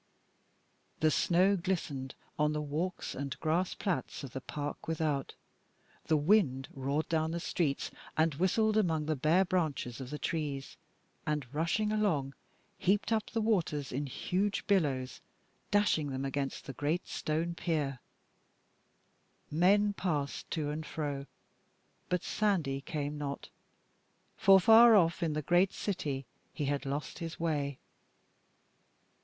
The snow glistened on the walks and grass plats of the park without; the wind roared down the streets and whistled among the bare branches of the trees, and rushing along, heaped up the waters in huge billows, dashing them against the great stone pier; men passed to and fro, but Sandy came not, for far off in the great city he had lost his way.